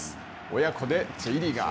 親子でＪリーガー。